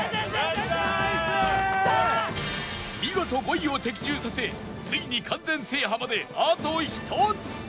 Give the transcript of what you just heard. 見事５位を的中させついに完全制覇まであと１つ